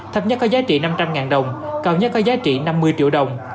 thấp nhất có giá trị năm trăm linh đồng cao nhất có giá trị năm mươi triệu đồng